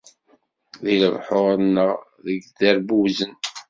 Di lebḥuṛ neɣ deg yiderbuzen.